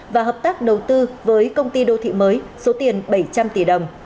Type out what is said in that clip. và hợp tác đầu tư với công ty đô thị mới số tiền bảy trăm linh tỷ đồng